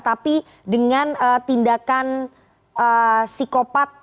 tapi dengan tindakan psikopat